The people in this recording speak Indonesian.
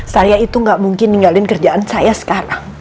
saya itu gak mungkin ninggalin kerjaan saya sekarang